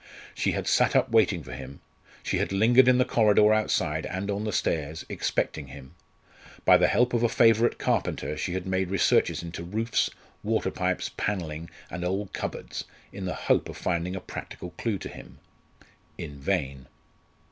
She had sat up waiting for him; she had lingered in the corridor outside, and on the stairs, expecting him. By the help of a favourite carpenter she had made researches into roofs, water pipes, panelling, and old cupboards, in the hope of finding a practical clue to him. In vain.